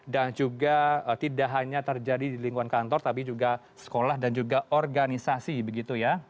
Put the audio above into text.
dan juga tidak hanya terjadi di lingkungan kantor tapi juga sekolah dan juga organisasi